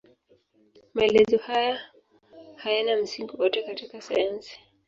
Maelezo hayo hayana msingi wowote katika sayansi.